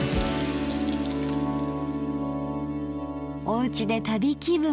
おうちで旅気分。